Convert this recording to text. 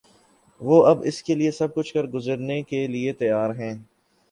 وہ اب اس کے لیے سب کچھ کر گزرنے کے لیے تیار ہیں۔